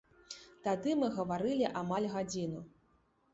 Тады мы гаварылі амаль гадзіну.